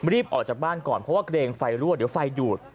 รีบออกจากบ้านก่อนเพราะว่าเกรงไฟรั่วเดี๋ยวไฟดูด